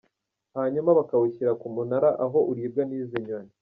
Hanyuma bakawushyira ku munara aho uribwa nizi nyoni.